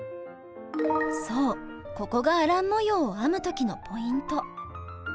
そうここがアラン模様を編む時のポイント。